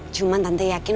cuman tante yakin